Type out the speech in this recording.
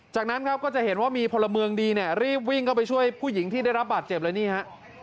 จากนั้นครับก็จะเห็นว่ามีพลเมืองดีเนี่ยรีบวิ่งเข้าไปช่วยผู้หญิงที่ได้รับบาดเจ็บเลยนี่ฮะ